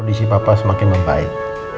kondisi papa semakin membaik